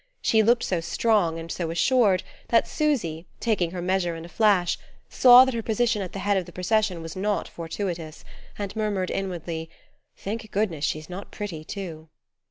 She looked so strong and so assured that Susy, taking her measure in a flash, saw that her position at the head of the procession was not fortuitous, and murmured inwardly: "Thank goodness she's not pretty too!"